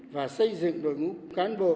và xây dựng đồng bộ